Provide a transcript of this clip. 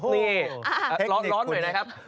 นี่ร้อนหน่อยนะครับ